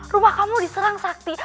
rumah kamu diserang sakti